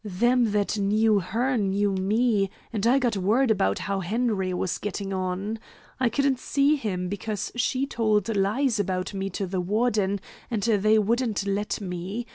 Them that knew her knew me, and I got word about how Henry was getting on. I couldn't see him, because she told lies about me to the warden, and they wouldn't let me.